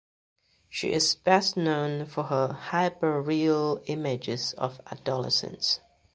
She is best known for her hyper real images of adolescents.